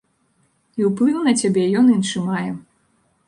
І ўплыў на цябе ён іншы мае.